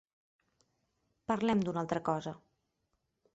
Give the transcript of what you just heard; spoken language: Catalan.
Parlem d'una altra cosa.